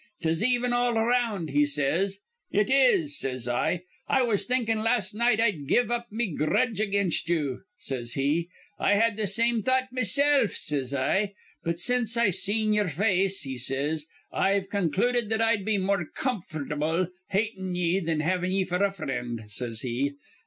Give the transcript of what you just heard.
''Tis even all around,' says he. 'It is,' says I. 'I was thinkin' las' night I'd give up me gredge again ye,' says he. 'I had th' same thought mesilf,' says I. 'But, since I seen ye'er face,' he says, 'I've con cluded that I'd be more comfortable hatin' ye thin havin' ye f'r a frind,' says he.